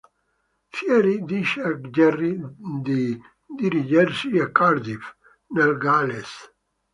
Thierry dice a Gerry di dirigersi a Cardiff, nel Galles.